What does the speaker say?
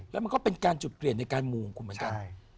แล้วมันก็เป็นการจุดเปลี่ยนในการมูของคุณเหมือนกัน